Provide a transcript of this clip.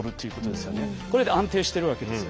これで安定してるわけですよ。